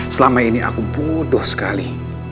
selama ini aku bodoh sekali